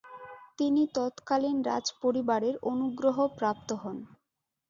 তিনি তৎকালিন রাজপরিবারের অনুগ্রহ প্রাপ্ত হন।